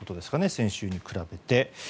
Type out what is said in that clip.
先週に比べて。